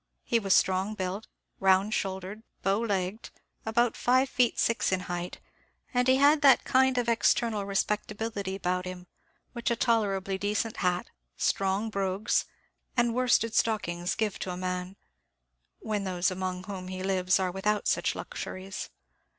He was strong built, round shouldered, bow legged, about five feet six in height, and he had that kind of external respectability about him, which a tolerably decent hat, strong brogues, and worsted stockings give to a man, when those among whom he lives are without such luxuries.